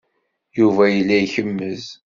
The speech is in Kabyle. Yuba yella ikemmez.